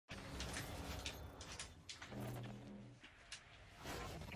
Farnost vydává časopis Zvon.